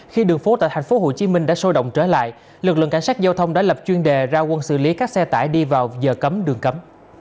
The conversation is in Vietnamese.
khi đường phố tại tp hcm đã sôi động trở lại lực lượng cảnh sát giao thông đã lập chuyên đề ra quân xử lý các xe tải đi vào giờ cấm đường cấm